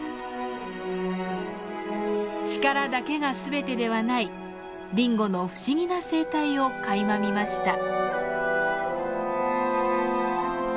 力だけが全てではないディンゴの不思議な生態をかいま見ました。